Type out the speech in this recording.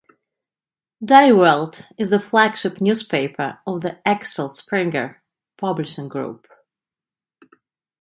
"Die Welt" is the flagship newspaper of the Axel Springer publishing group.